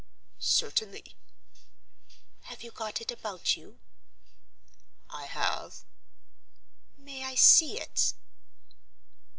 "Certainly." "Have you got it about you?" "I have." "May I see it?"